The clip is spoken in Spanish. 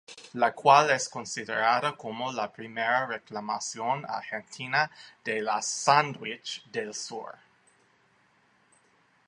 La cual es considerada como la primera reclamación argentina de las Sandwich del Sur.